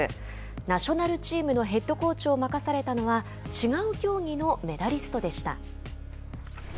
ナショナルチームのヘッドコーチを任されたのは違う競技のメダリストでした。